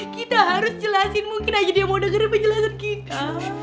kita harus jelasin mungkin aja dia mau dengerin penjelasan kita